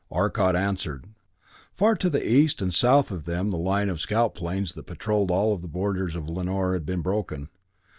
Arcot answered. Far to the east and south of them the line of scout planes that patrolled all the borders of Lanor had been broken.